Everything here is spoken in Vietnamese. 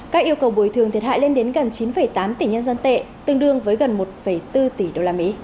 các yêu cầu bồi thường thiệt hại lên đến gần chín tám tỷ nhân dân tệ tương đương với gần một bốn tỷ usd